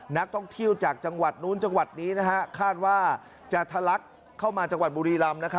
นักท่องเที่ยวจากจังหวัดนู้นจังหวัดนี้คาดว่าจะทะลักเข้ามาจังหวัดบุรีรำ